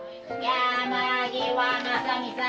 山際正己さん